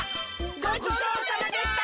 ごちそうさまでした。